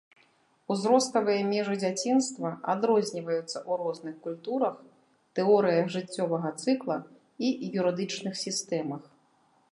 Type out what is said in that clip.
Узроставыя межы дзяцінства адрозніваюцца ў розных культурах, тэорыях жыццёвага цыкла і юрыдычных сістэмах.